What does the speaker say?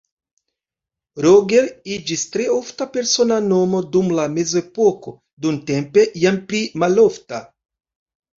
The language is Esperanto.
Roger iĝis tre ofta persona nomo dum la mezepoko, nuntempe jam pli malofta.